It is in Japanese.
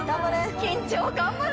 緊張頑張れ。